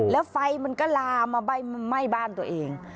แล้วไฟมันก็ลามาไหม้บ้านตัวเอง